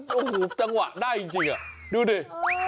แล้วมันจังหวะได้จริงดูดิ